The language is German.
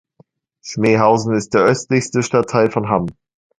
Schmehausen ist der östlichste Stadtteil von Hamm.